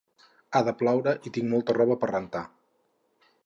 Ha de ploure i tinc molta roba per rentar